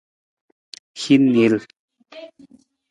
Hin niil.